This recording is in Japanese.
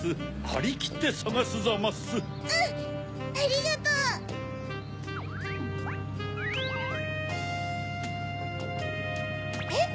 ありがとう。えっ？